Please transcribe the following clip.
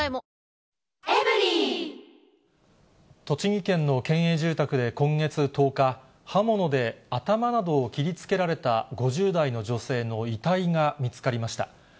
栃木県の県営住宅で、今月１０日、刃物で頭などを切りつけられた５０代の女性の遺体が見つかりました。